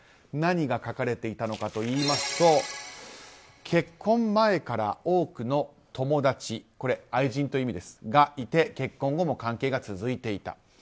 何が書かれたいたのかといいますと結婚前から多くの友達これ、愛人という意味ですが友達がいて結婚後も関係が続いていた。